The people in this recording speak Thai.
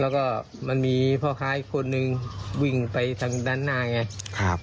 แล้วก็มันมีพ่อค้าอีกคนนึงวิ่งไปทางด้านหน้าไงครับ